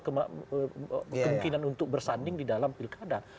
kemungkinan untuk bersanding di dalam pilkada